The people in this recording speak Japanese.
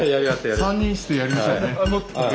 ３人してやりましょうね。